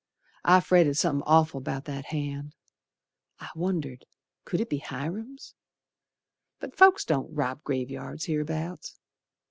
I fretted somethin' awful 'bout that hand I wondered, could it be Hiram's, But folks don't rob graveyards hereabouts.